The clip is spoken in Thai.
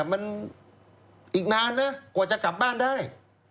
มันอีกนานนะกว่าจะกลับบ้านได้